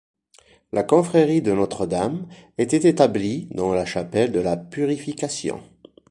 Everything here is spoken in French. La confrérie de Notre-Dame était établie dans la chapelle de la Purification.